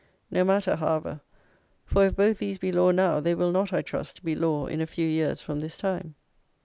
No matter, however; for, if both these be law now, they will not, I trust, be law in a few years from this time.